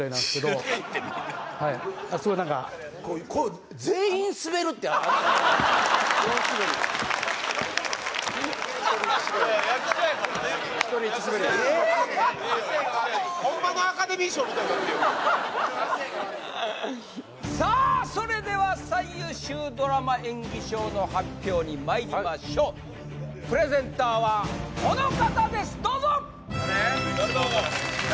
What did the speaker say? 大スベりさあそれでは最優秀ドラマ演技賞の発表にまいりましょうプレゼンターはこの方ですどうぞ・誰？